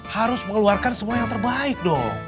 harus mengeluarkan semua yang terbaik dong